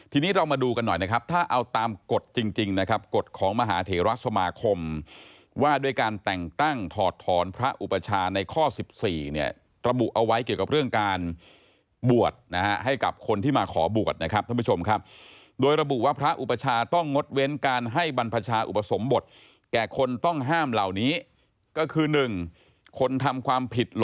ทีนี้เรามาดูกันหน่อยนะครับถ้าเอาตามกฎจริงนะครับกฎของมหาเทราสมาคมว่าด้วยการแต่งตั้งถอดถอนพระอุปชาในข้อ๑๔เนี่ยระบุเอาไว้เกี่ยวกับเรื่องการบวชนะฮะให้กับคนที่มาขอบวชนะครับท่านผู้ชมครับโดยระบุว่าพระอุปชาต้องงดเว้นการให้บรรพชาอุปสมบทแก่คนต้องห้ามเหล่านี้ก็คือ๑คนทำความผิด